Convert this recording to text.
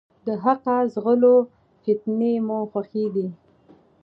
د حقه ځغلو ، فتنې مو خوښي دي.